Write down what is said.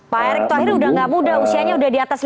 pak erik thohir udah gak muda usianya udah diambil